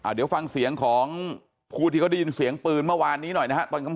เดี๋ยวฟังเสียงของผู้ที่เขาได้ยินเสียงปืนเมื่อวานนี้หน่อยนะฮะตอนค่ำ